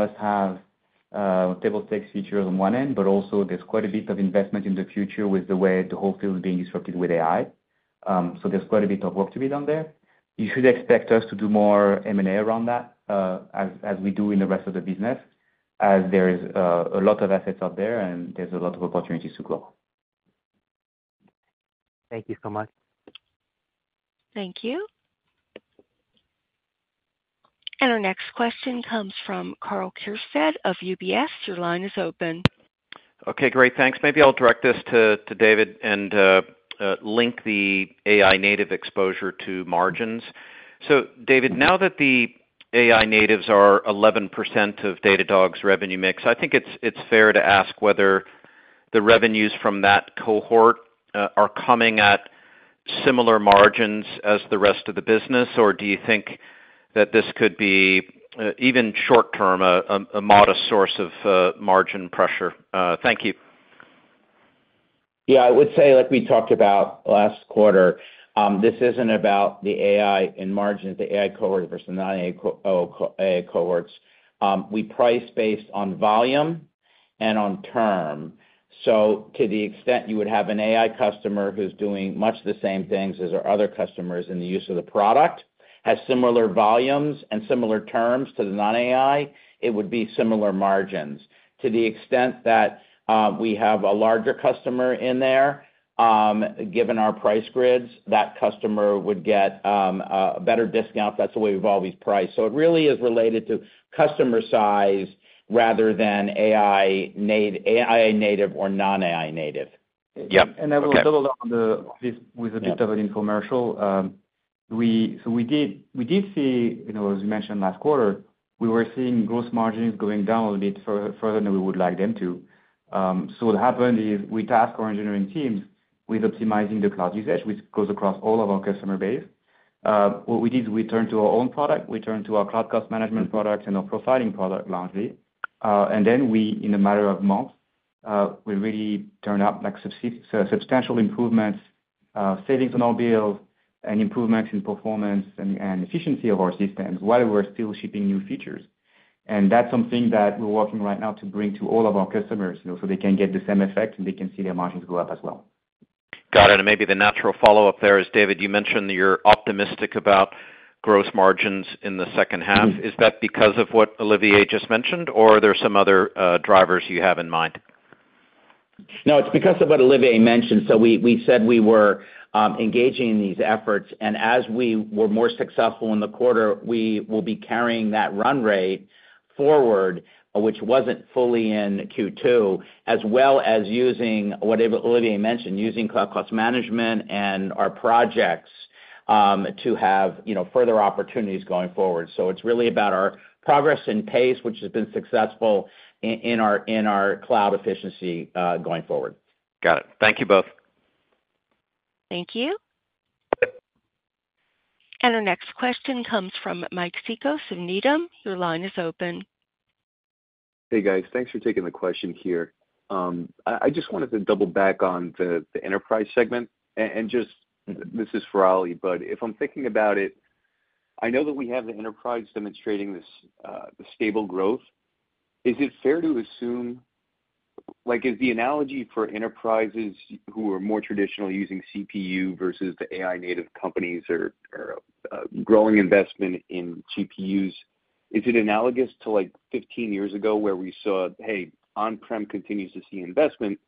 S3: must-have table stakes features on one end, but also there's quite a bit of investment in the future with the way the whole field is being disrupted with AI. There's quite a bit of work to be done there. You should expect us to do more M&A around that, as we do in the rest of the business, as there are a lot of assets out there and a lot of opportunities to grow.
S9: Thank you so much.
S1: Thank you. Our next question comes from Karl Keirstead of UBS. Your line is open.
S10: Okay, great. Thanks. Maybe I'll direct this to David and link the AI-native exposure to margins. So David, now that the AI natives are 11% of Datadog's revenue mix, I think it's fair to ask whether the revenues from that cohort are coming at similar margins as the rest of the business, or do you think that this could be even short-term a modest source of margin pressure? Thank you.
S4: I would say, like we talked about last quarter, this isn't about the AI in margin, the AI cohort versus non-AI cohorts. We price based on volume and on term. To the extent you would have an AI customer who's doing much the same things as our other customers in the use of the product, has similar volumes and similar terms to the non-AI, it would be similar margins. To the extent that we have a larger customer in there, given our price grids, that customer would get a better discount. That's the way we've always priced. It really is related to customer size rather than AI-native or non-AI-native.
S3: Yeah, I will double down on the piece with the data for the infomercial. We did see, as you mentioned, last quarter, we were seeing gross margins going down a little bit further than we would like them to. What happened is we tasked our engineering teams with optimizing the cloud usage, which goes across all of our customer base. We turned to our own product. We turned to our Cloud Cost Management product and our profiling product largely. In a matter of months, we really turned up substantial improvements, savings on our bills, and improvements in performance and efficiency of our systems while we're still shipping new features. That's something that we're working right now to bring to all of our customers so they can get the same effect and they can see their margins go up as well.
S10: Got it. Maybe the natural follow-up there is, David, you mentioned that you're optimistic about gross margins in the second half. Is that because of what Olivier just mentioned, or are there some other drivers you have in mind?
S4: No, it's because of what Olivier mentioned. We said we were engaging in these efforts, and as we were more successful in the quarter, we will be carrying that run rate forward, which wasn't fully in Q2, as well as using what Olivier mentioned, using Cloud Cost Management and our projects to have further opportunities going forward. It's really about our progress and pace, which has been successful in our cloud efficiency going forward.
S10: Got it. Thank you both.
S1: Thank you. Our next question comes from Mike Cikos of Needham. Your line is open.
S11: Hey guys, thanks for taking the question here. I just wanted to double back on the enterprise segment. This is for Olivier, but if I'm thinking about it, I know that we have the enterprise demonstrating the stable growth. Is it fair to assume, like is the analogy for enterprises who are more traditionally using CPU versus the AI-native company or growing investment in GPUs, is it analogous to like 15 years ago where we saw, hey, on-prem continues to see investment,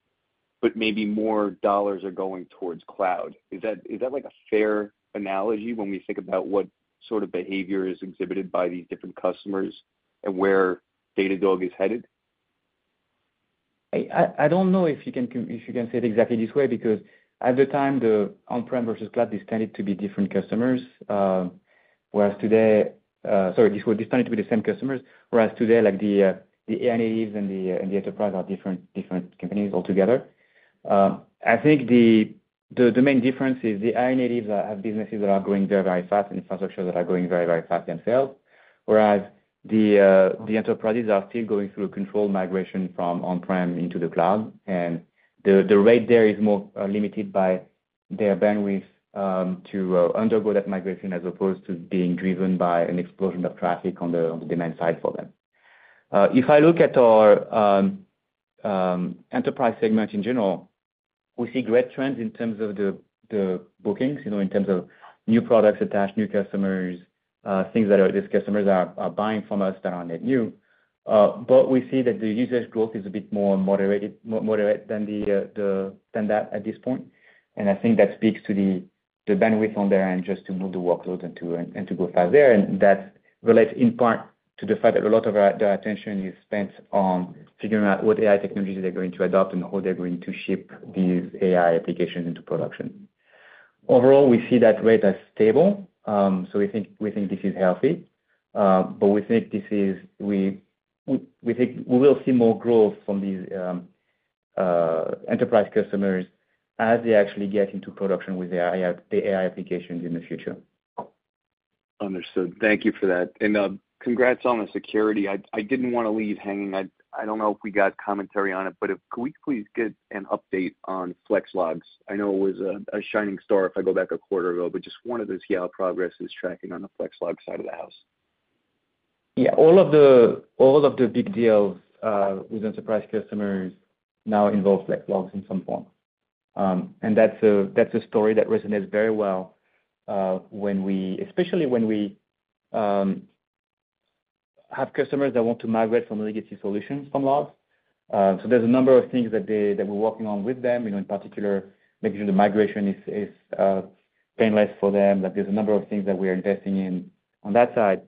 S11: but maybe more dollars are going towards cloud? Is that a fair analogy when we think about what sort of behavior is exhibited by these different customers and where Datadog is headed?
S3: I don't know if you can say it exactly this way because at the time, the on-prem versus cloud, they tended to be different customers. Whereas today, sorry, they tended to be the same customers. Whereas today, like the AI natives and the enterprise are different companies altogether. I think the main difference is the AI natives have businesses that are growing very, very fast and infrastructures that are growing very, very fast themselves. The enterprises are still going through a controlled migration from on-prem into the cloud, and the rate there is more limited by their bandwidth to undergo that migration as opposed to being driven by an explosion of traffic on the demand side for them. If I look at our enterprise segment in general, we see great trends in terms of the bookings, in terms of new products attached, new customers, things that these customers are buying from us that are net new. We see that the usage growth is a bit more moderate than that at this point. I think that speaks to the bandwidth on their end just to move the workload and to go fast there. That relates in part to the fact that a lot of their attention is spent on figuring out what AI technologies they're going to adopt and how they're going to ship these AI applications into production. Overall, we see that rate as stable. We think this is healthy. We think we will see more growth from these enterprise customers as they actually get into production with the AI applications in the future.
S11: Understood. Thank you for that. Congrats on the security. I didn't want to leave hanging. I don't know if we got commentary on it, but could we please get an update on Flex Logs? I know it was a shining star if I go back a quarter ago, just wanted to see how progress is tracking on the Flex Logs side of the house.
S3: All of the big deals with enterprise customers now involve Flex Logs in some form. That's a story that resonates very well, especially when we have customers that want to migrate from legacy solutions from logs. There are a number of things that we're working on with them, in particular, making sure the migration is painless for them. There are a number of things that we're investing in on that side.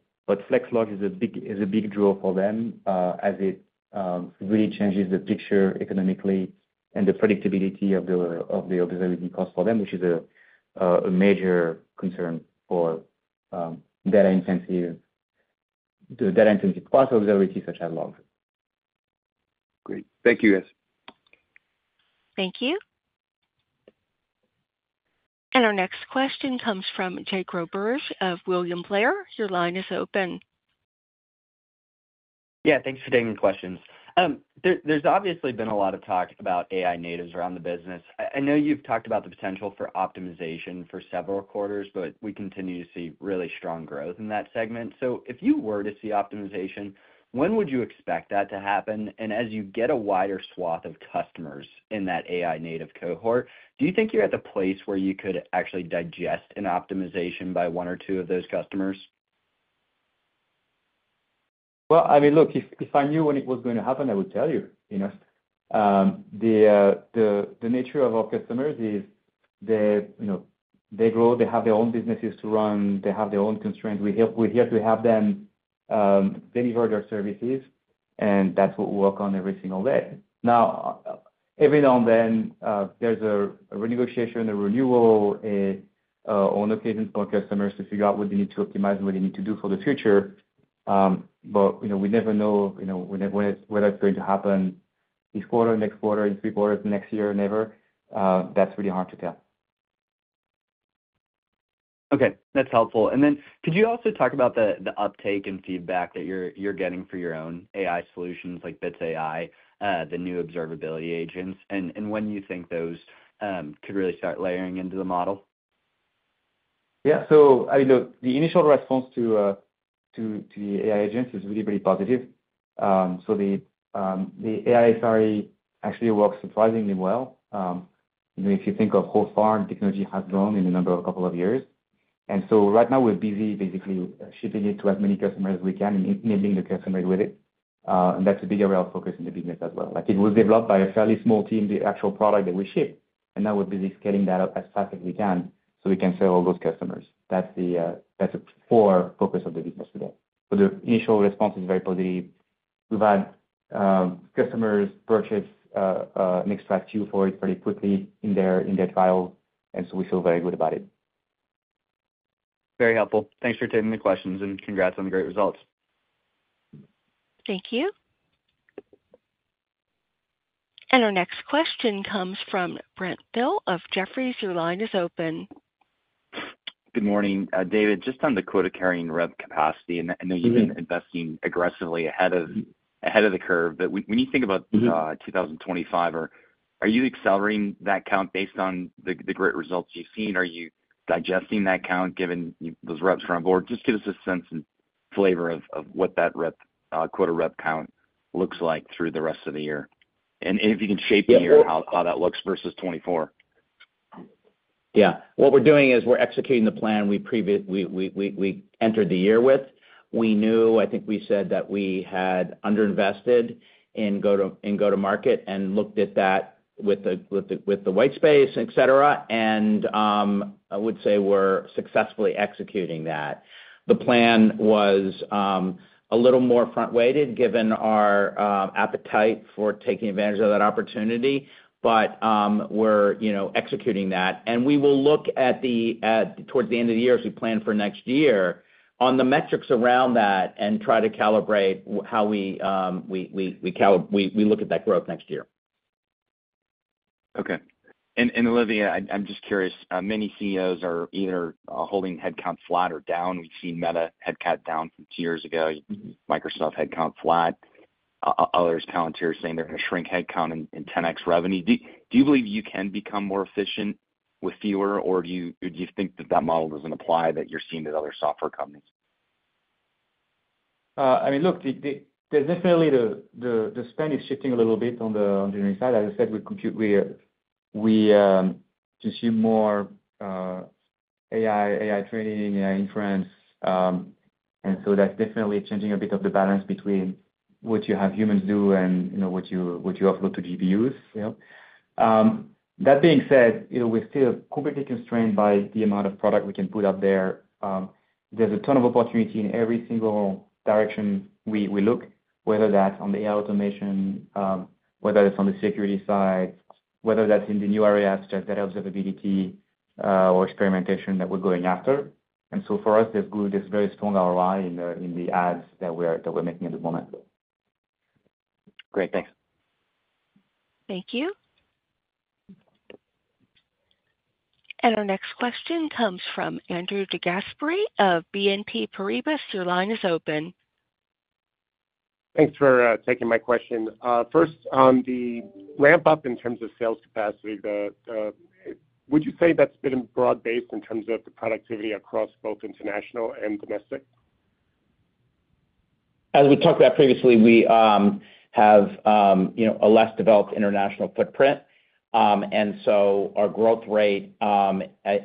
S3: Flex Logs is a big draw for them as it really changes the picture economically and the predictability of the observability cost for them, which is a major concern for data-intensive parts of observability such as logs.
S11: Great. Thank you, guys.
S1: Thank you. Our next question comes from Jake Roberge of William Blair. Your line is open.
S12: Yeah, thanks for taking the questions. There's obviously been a lot of talk about AI natives around the business. I know you've talked about the potential for optimization for several quarters, but we continue to see really strong growth in that segment. If you were to see optimization, when would you expect that to happen? As you get a wider swath of customers in that AI-native cohort, do you think you're at the place where you could actually digest an optimization by one or two of those customers?
S3: If I knew when it was going to happen, I would tell you. The nature of our customers is they grow, they have their own businesses to run, they have their own constraints. We're here to help them deliver their services, and that's what we work on every single day. Every now and then, there's a renegotiation, a renewal, on occasions for customers to figure out what they need to optimize and what they need to do for the future. We never know whether it's going to happen this quarter, next quarter, in three quarters, next year, never. That's really hard to tell.
S12: Okay, that's helpful. Could you also talk about the uptake and feedback that you're getting for your own AI solutions like Bits AI, the new observability agents, and when you think those could really start layering into the model?
S3: Yeah, the initial response to the AI agents is really, really positive. The AI SRE actually works surprisingly well. If you think of how far the technology has grown in a number of years, right now we're busy basically shipping it to as many customers as we can and enabling the customers with it. That's a big area of focus in the business as well. It was developed by a fairly small team, the actual product that we shipped, and now we're busy scaling that up as fast as we can so we can serve all those customers. That's the core focus of the business today. The initial response is very positive. We've had customers purchase an extra SKU for it pretty quickly in their trial, and we feel very good about it.
S12: Very helpful. Thanks for taking the questions and congrats on the great results.
S1: Thank you. Our next question comes from Brent Thill of Jefferies. Your line is open.
S13: Good morning, David. Just on the quota carrying rep capacity, and I know you've been investing aggressively ahead of the curve, when you think about 2025, are you accelerating that count based on the great results you've seen? Are you digesting that count given those reps who are on board? Give us a sense and flavor of what that quota rep count looks like through the rest of the year. If you can shape the year, how that looks versus 2024.
S4: Yeah, what we're doing is we're executing the plan we entered the year with. We knew, I think we said that we had underinvested in go-to-market and looked at that with the white space, etc. I would say we're successfully executing that. The plan was a little more front-weighted given our appetite for taking advantage of that opportunity, but we're executing that. We will look towards the end of the year as we plan for next year on the metrics around that and try to calibrate how we look at that growth next year.
S13: Okay. Olivier, I'm just curious, many CEOs are either holding headcount flat or down. We've seen Meta headcount down from two years ago, Microsoft headcount flat. Others comment here saying they're going to shrink headcount in 10x revenue. Do you believe you can become more efficient with fewer, or do you think that that model doesn't apply that you're seeing at other software companies?
S3: I mean, look, there's definitely the spend is shifting a little bit on the engineering side. As I said, we see more AI training, AI inference. That's definitely changing a bit of the balance between what you have humans do and what you offload to GPUs. That being said, we're still completely constrained by the amount of product we can put up there. There's a ton of opportunity in every single direction we look, whether that's on the AI automation, whether it's on the security side, whether that's in the new areas such as data observability or experimentation that we're going after. For us, there's a very strong ROI in the ads that we're making at the moment.
S13: Great, thanks.
S1: Thank you. Our next question comes from Andrew DeGasperi of BNP Paribas. Your line is open.
S14: Thanks for taking my question. First, on the ramp-up in terms of sales capacity, would you say that's been broad-based in terms of the productivity across both international and domestic?
S4: As we talked about previously, we have a less developed international footprint, and our growth rate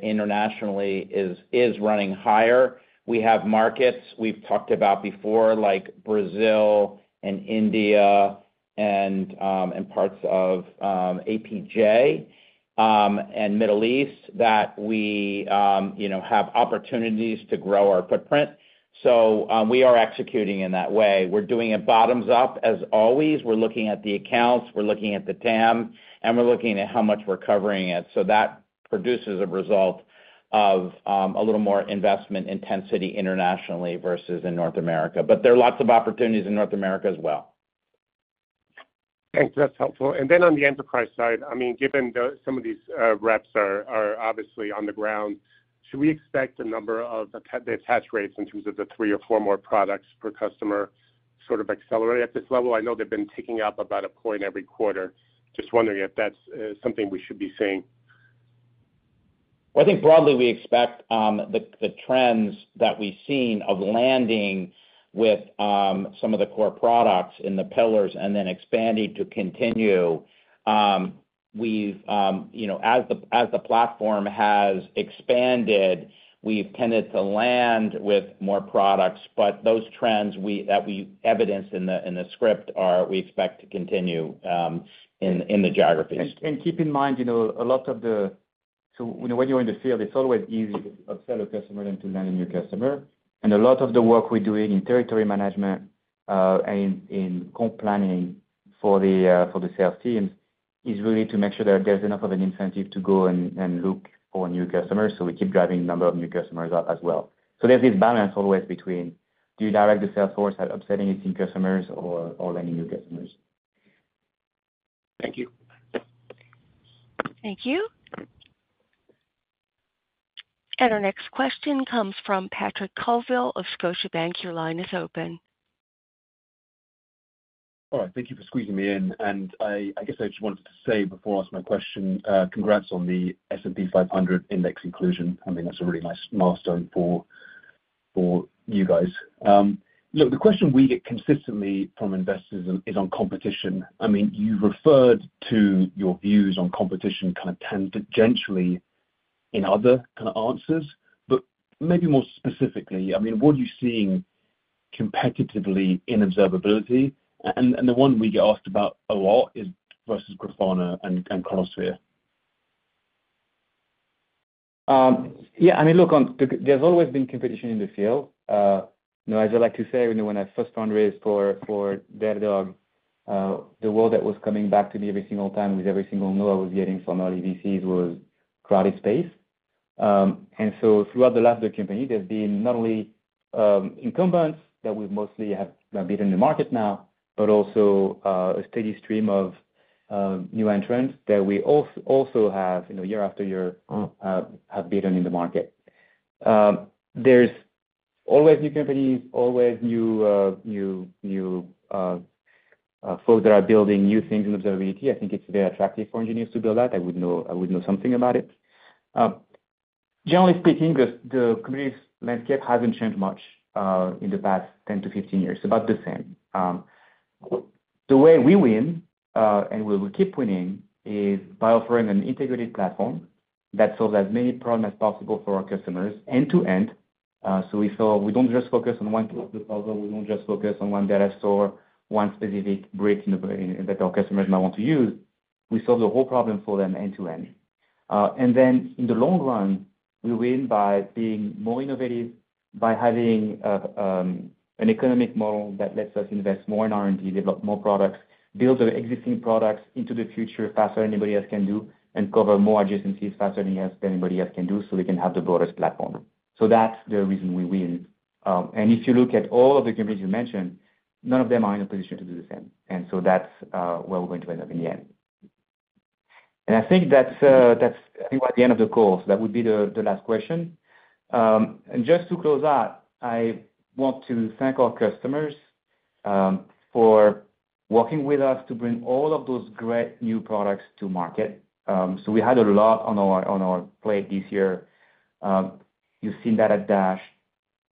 S4: internationally is running higher. We have markets we've talked about before, like Brazil and India and parts of APJ and Middle East that we have opportunities to grow our footprint. We are executing in that way. We're doing it bottoms up, as always. We're looking at the accounts, we're looking at the TAM, and we're looking at how much we're covering it. That produces a result of a little more investment intensity internationally versus in North America. There are lots of opportunities in North America as well.
S14: Thanks, that's helpful. On the enterprise side, given that some of these reps are obviously on the ground, should we expect a number of the attach rates in terms of the three or four more products per customer to sort of accelerate at this level? I know they've been ticking up about a point every quarter. Just wondering if that's something we should be seeing.
S4: I think broadly we expect the trends that we've seen of landing with some of the core products in the pillars and then expanding to continue. As the platform has expanded, we've tended to land with more products. Those trends that we evidenced in the script are we expect to continue in the geographies.
S3: Keep in mind, a lot of the work we're doing in territory management and in comp planning for the sales teams is really to make sure that there's enough of an incentive to go and look for a new customer. We keep driving a number of new customers up as well. There's this balance always between do you direct the sales force at upselling existing customers or landing new customers?
S14: Thank you.
S1: Thank you. Our next question comes from Patrick Colville of Scotiabank. Your line is open.
S15: All right, thank you for squeezing me in. I just wanted to say before I ask my question, congrats on the S&P 500 Index inclusion. I think that's a really nice milestone for you guys. The question we get consistently from investors is on competition. You referred to your views on competition kind of tangentially in other answers, but maybe more specifically, what are you seeing competitively in observability? The one we get asked about a lot is versus Grafana and Chronosphere.
S3: Yeah, I mean, look, there's always been competition in the field. As I like to say, when I first fundraised for Datadog, the word that was coming back to me every single time with every single news I was getting from early VCs was crowded space. Throughout the life of the company, there's been not only incumbents that have mostly been in the market now, but also a steady stream of new entrants that we also have, year after year, been in the market. There's always new companies, always new folks that are building new things in observability. I think it's very attractive for engineers to build that. I would know something about it. Generally speaking, the computer landscape hasn't changed much in the past 10-15 years. It's about the same. The way we win, and we will keep winning, is by offering an integrated platform that solves as many problems as possible for our customers end to end. We don't just focus on one tool of the cloud. We don't just focus on one data store, one specific bridge that our customers might want to use. We solve the whole problem for them end to end. In the long run, we win by being more innovative, by having an economic model that lets us invest more in R&D, develop more products, build the existing products into the future faster than anybody else can do, and cover more adjacencies faster than anybody else can do so they can have the broadest platform. That's the reason we win. If you look at all of the companies you mentioned, none of them are in a position to do the same. That's where we're going to end up in the end. I think that's the end of the call. That would be the last question. Just to close out, I want to thank our customers for working with us to bring all of those great new products to market. We had a lot on our plate this year. You've seen that at DASH.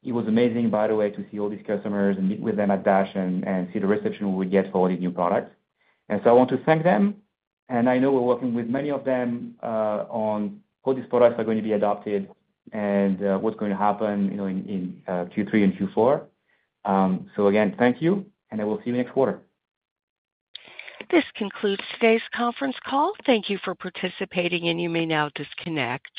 S3: It was amazing, by the way, to see all these customers and meet with them at DASH and see the reception we would get for all these new products. I want to thank them. I know we're working with many of them on how these products are going to be adopted and what's going to happen in Q3 and Q4. Again, thank you, and I will see you next quarter.
S1: This concludes today's conference call. Thank you for participating, and you may now disconnect.